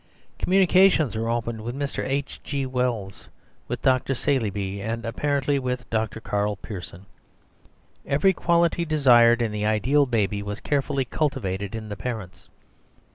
Communications were opened with Mr. H.G. Wells, with Dr. Saleeby, and apparently with Dr. Karl Pearson. Every quality desired in the ideal baby was carefully cultivated in the parents.